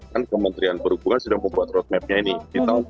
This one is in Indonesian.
kan kementerian perhubungan sudah membuat roadmap nya ini